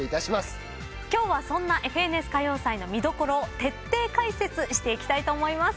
今日はそんな『ＦＮＳ歌謡祭』の見どころを徹底解説していきたいと思います。